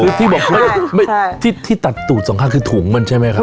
คือที่บอกว่าที่ตัดตูดสองข้างคือถุงมันใช่ไหมครับ